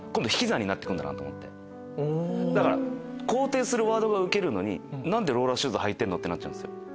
だから肯定するワードがウケるのに何でローラーシューズ履いてるの？ってなっちゃう。